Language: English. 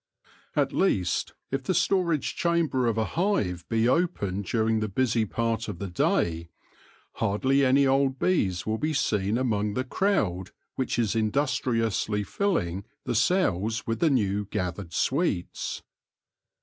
At least, if the storage chamber of a hive be opened during the busy part of the day, hardly any old bees will be seen among the crowd which is in dustriously rilling the cells with the new gathered sweets.